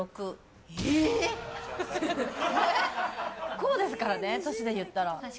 こうですからね、年でいったら。